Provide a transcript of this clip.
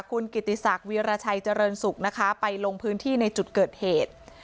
คุณกิติศักดิราชัยเจริญสุขนะคะไปลงพื้นที่ในจุดเกิดเหตุ